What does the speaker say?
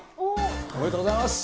おめでとうございます。